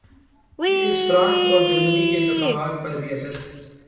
کہ اس سے فرانس ا ور جرمنی کے انتخابات پر بھی اثر